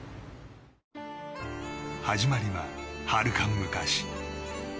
始まりは、はるか昔。